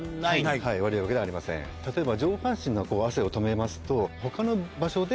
例えば。